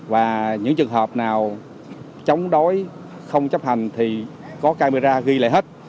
và những trường hợp nào chống đối không chấp hành thì có camera ghi lại hết